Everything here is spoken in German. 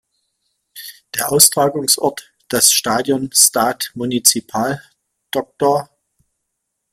Der Austragungsort, das Stadion Stade Municipal „Dr.